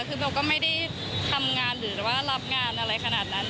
คือเบลก็ไม่ได้ทำงานหรือว่ารับงานอะไรขนาดนั้น